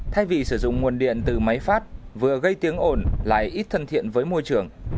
thay vì sử dụng nguồn điện từ máy phát vừa gây tiếng ồn lại ít thân thiện với môi trường